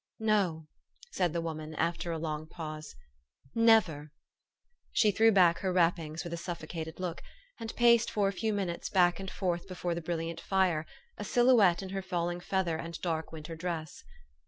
" No," said the woman, after a long pause. " Never!" She threw back her wrappings with a suffocated look, and paced for a few minutes back and forth before the brilliant fire, a silhouette in her falling feather and dark winter dress.